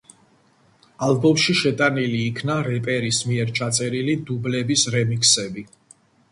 ალბომში შეტანილი იქნა რეპერის მიერ ჩაწერილი დუბლების რემიქსები.